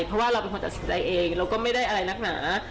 เพราะว่าเราเป็นคนตัดสินใจเองเราก็ไม่ได้อะไรนักหนา